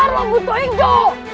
keluarlah buto hijo